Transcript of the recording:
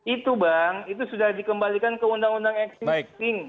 itu bang itu sudah dikembalikan ke undang undang existing